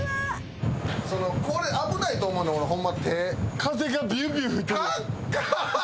これ危ないと思うねんホンマ手。